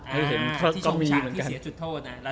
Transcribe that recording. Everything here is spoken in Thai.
ที่ชมชาติที่เสียจุดโทษนะ